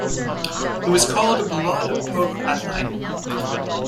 It was called "Ballade pour Adeline".